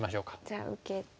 じゃあ受けて。